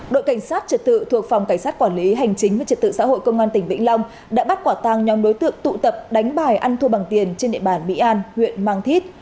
đội cảnh sát trật tự thuộc phòng cảnh sát quản lý hành chính với trật tự xã hội công an tỉnh vĩnh long đã bắt quả tăng nhóm đối tượng tụ tập đánh bài ăn thua bằng tiền trên địa bàn mỹ an huyện mang thít